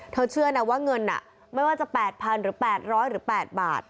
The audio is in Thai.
เชื่อนะว่าเงินไม่ว่าจะ๘๐๐๐หรือ๘๐๐หรือ๘บาท